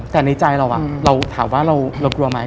แต่ในใจเราเราถามว่าเรากลัวไหม